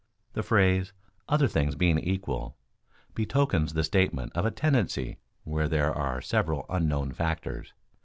The phrase "other things being equal" betokens the statement of a tendency where there are several unknown factors.